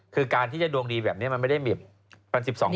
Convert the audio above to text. คือการที่จะดวงดีแบบนี้มันไม่ได้มี๑๒ปีมาครั้งหนึ่ง